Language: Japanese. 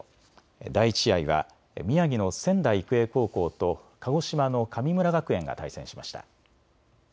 第１試合は宮城の仙台育英高校と鹿児島の神村学園が対戦しました。